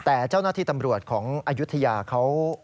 แต่เจ้าหน้าที่ตำรวจของอายุทยาเขา